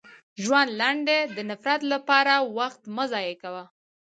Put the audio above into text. • ژوند لنډ دی، د نفرت لپاره وخت مه ضایع کوه.